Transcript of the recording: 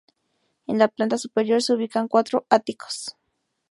En la planta superior se ubican cuatro áticos.